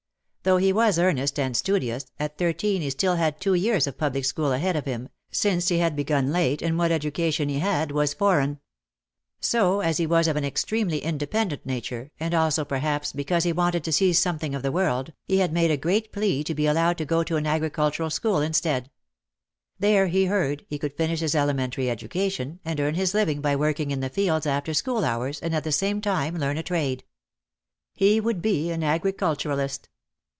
Though he was earnest and studious, at thirteen he still had two years of public school ahead of him, since he had begun late and what education he had was foreign. So, as he was of an extremely independent nature, and also perhaps because he wanted to see something of the world, he had made a great plea to be allowed to go to an agricultural school instead. There, he heard, he could finish his elementary education and earn his living by working in the fields after school hours and at the same time learn a trade. He would be an agriculturalist.